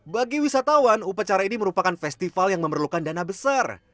bagi wisatawan upacara ini merupakan festival yang memerlukan dana besar